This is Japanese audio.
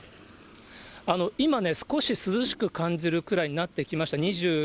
今、少し涼しく感じるくらいになってきました。